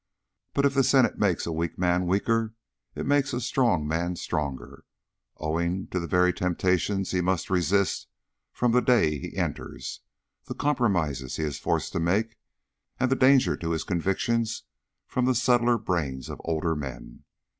But if the Senate makes a weak man weaker, it makes a strong man stronger, owing to the very temptations he must resist from the day he enters, the compromises he is forced to make, and the danger to his convictions from the subtler brains of older men.